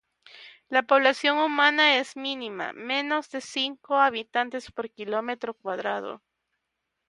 La población humana es mínima: menos de cinco habitantes por kilómetro cuadrado.